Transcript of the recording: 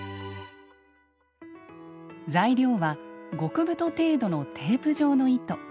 材料は極太程度のテープ状の糸。